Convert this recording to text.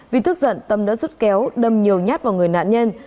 vì thức giận tâm đã rút kéo đâm nhiều nhát vào người nạn nhân